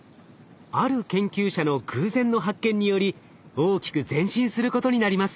ある研究者の偶然の発見により大きく前進することになります。